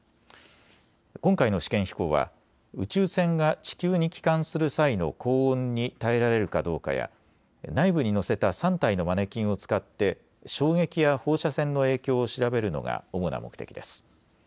今回の試験飛行は宇宙船が地球に帰還する際の高温に耐えられるかどうかや内部に載せた３体のマネキンを使って衝撃や放射線の影響を調べるのが主な目的です。